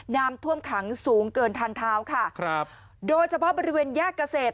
น้ำท่วมขังสูงเกินทางเท้าค่ะครับโดยเฉพาะบริเวณแยกเกษตร